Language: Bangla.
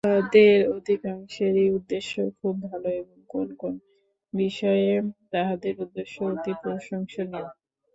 ইঁহাদের অধিকাংশেরই উদ্দেশ্য খুব ভাল এবং কোন কোন বিষয়ে তাঁহাদের উদ্দেশ্য অতি প্রশংসনীয়।